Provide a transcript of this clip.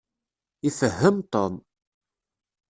Ifehhem Tom.